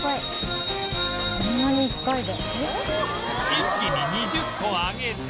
一気に２０個揚げて